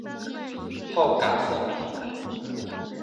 后改现名。